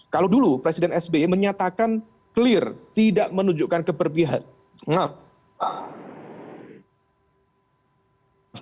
kalau dulu presiden sbi menyatakan clear tidak menunjukkan keberpihakan